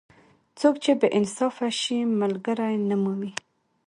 څوک چې بې انصافه شي؛ ملګری نه مومي.